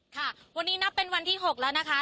ค่ะวันนี้นับเป็นวันที่๖แล้วนะคะ